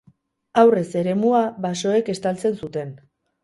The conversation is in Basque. Aurrez eremua basoek estaltzen zuten.